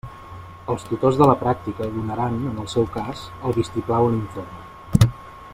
Els tutors de la pràctica donaran, en el seu cas, el vistiplau a l'informe.